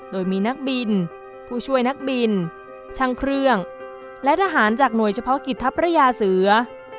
โดยมีนักบินผู้ช่วยนักบินช่างเครื่องและทหารจากหน่วยเฉพาะกิจทัพพระยาเสือ